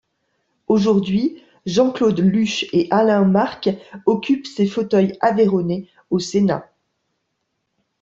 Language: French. Aujourd'hui, Jean-Claude Luche et Alain Marc occupent ces fauteuils aveyronnais au Sénat.